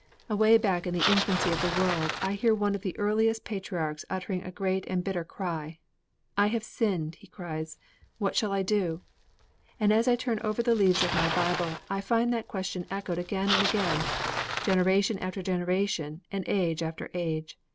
"' II Away back in the infancy of the world I hear one of the earliest of the Patriarchs uttering a great and bitter cry. 'I have sinned!' he cries; 'what shall I do?' And, as I turn over the leaves of my Bible, I find that question echoed again and again, generation after generation and age after age.